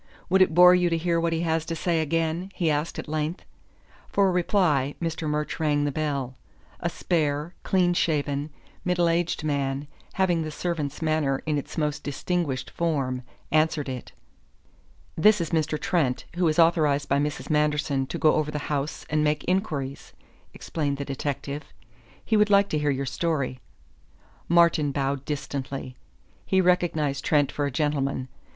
"Would it bore you to hear what he has to say again?" he asked at length. For reply, Mr. Murch rang the bell. A spare, clean shaven, middle aged man, having the servant's manner in its most distinguished form, answered it. "This is Mr. Trent, who is authorized by Mrs. Manderson to go over the house and make inquiries," explained the detective. "He would like to hear your story." Martin bowed distantly. He recognized Trent for a gentleman.